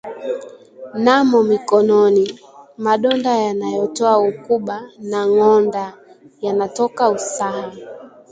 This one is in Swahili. Namo mikononi, madonda yanayotoa ukuba wa ng'onda yanatoka usaha